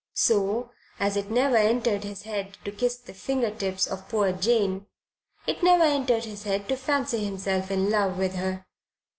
So, as it never entered his head to kiss the finger tips of poor Jane, it never entered his head to fancy himself in love with her.